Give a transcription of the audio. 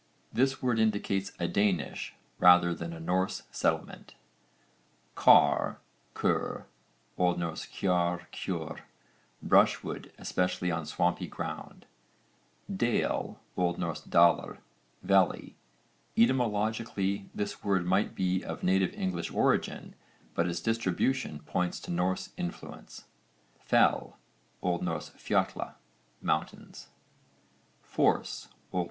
This word indicates a Danish rather than a Norse settlement. CAR(R), ker. O.N. kjarr, kjörr, brushwood, especially on swampy ground. DALE. O.N. dalr, valley. Etymologically this word might be of native English origin but its distribution points to Norse influence. FELL. O.N. fjall, mountain. FORCE. O.N.